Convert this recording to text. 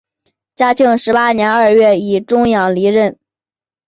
嘉庆十八年二月以终养离任。